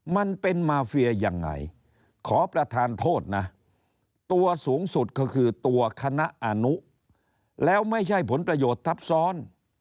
มันเป็นมาเฟียยังไงขอประธานโทษนะตัวสูงสุดก็คือตัวคณะอนุแล้วไม่ใช่ผลประโยชน์ทับซ้อน